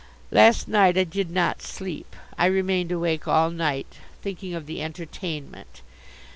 Last night I did not sleep. I remained awake all night thinking of the "entertainment."